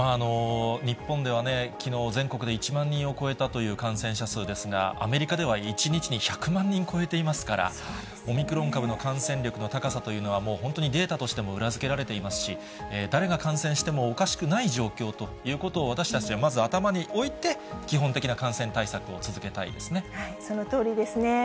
日本ではね、きのう、全国で１万人を超えたという感染者数ですが、アメリカでは１日に１００万人超えていますから、オミクロン株の感染力の高さというのは、もう本当にデータとしても裏づけられていますし、誰が感染してもおかしくない状況ということを、私たちはまず頭に置いて、基本的そのとおりですね。